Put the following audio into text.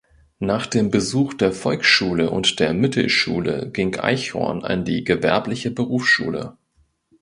Nach dem Besuch der Volksschule und der Mittelschule ging Eichhorn an die Gewerbliche Berufsschule.